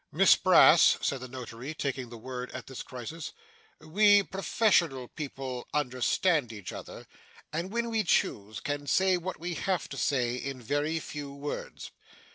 'Miss Brass,' said the Notary, taking the word at this crisis, 'we professional people understand each other, and, when we choose, can say what we have to say, in very few words.